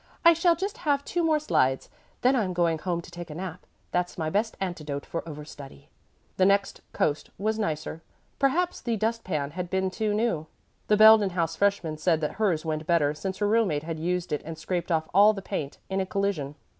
"I shall just have two more slides. Then I'm going home to take a nap. That's my best antidote for overstudy." The next coast was nicer. Perhaps the dust pan had been too new. The Belden House freshman said that hers went better since her roommate had used it and scraped off all the paint in a collision.